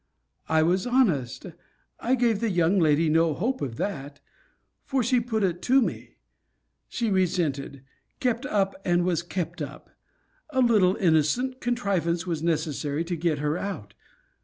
I was honest. I gave the young lady no hope of that; for she put it to me. She resented kept up, and was kept up. A little innocent contrivance was necessary to get her out.